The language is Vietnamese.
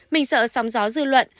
mình sợ sóng gió dư luận